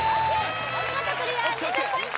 お見事クリア２０ポイント